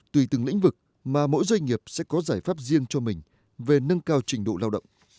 tùy từng lĩnh vực mà mỗi doanh nghiệp sẽ có giải pháp riêng cho mình về nâng cao trình độ lao động